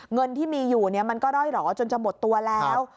เงินที่มีอยู่มันก็ร่อยหล่อจนจะหมดตัวแล้ว